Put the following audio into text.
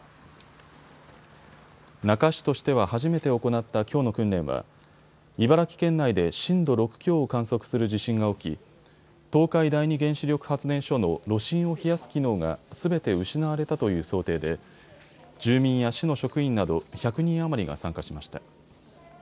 那珂市としては初めて行ったきょうの訓練は茨城県内で震度６強を観測する地震が起き東海第二原子力発電所の炉心を冷やす機能がすべて失われたという想定で住民や市の職員など１００人余りが参加しました。